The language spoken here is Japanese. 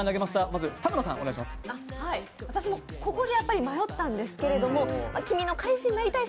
私もここで迷ったんですけど、「君の彼氏になりたい」